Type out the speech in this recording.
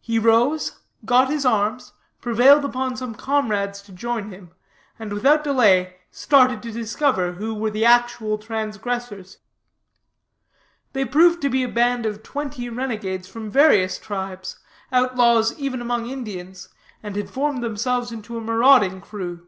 He rose; got his arms, prevailed upon some comrades to join him, and without delay started to discover who were the actual transgressors. They proved to belong to a band of twenty renegades from various tribes, outlaws even among Indians, and who had formed themselves into a maurauding crew.